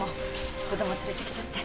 子供連れてきちゃって。